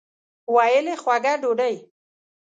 ویل یې خوږه ډوډۍ.